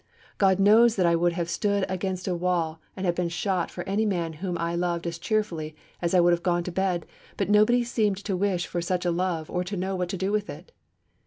God knows that I would have stood against a wall and have been shot for any man whom I loved as cheerfully as I would have gone to bed, but nobody seemed to wish for such a love or to know what to do with it!'